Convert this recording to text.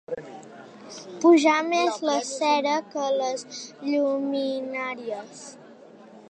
Pujar més la cera que les lluminàries.